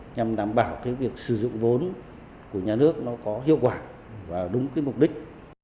nhằm đảm bảo việc sử dụng vốn của nhà nước có hiệu quả và đúng mục đích